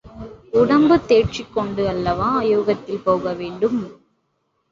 உடம்பு தேற்றிக் கொண்டு அல்லவா யோகத்தில் போக வேண்டும்?